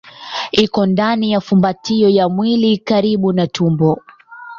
Iko ndani ya fumbatio ya mwili karibu na tumbo.